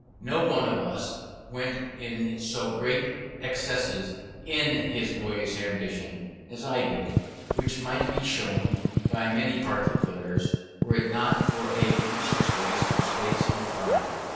No one of the set went to so great excesses in his boyish ambition as I did; which might be shown by many particulars, were it not an useless waste of space and time.